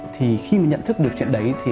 thì khi mà nhận thức được chuyện đấy